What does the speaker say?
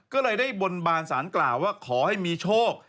ก็เลยได้บนบานสารกล่าวว่าขอให้มีโชค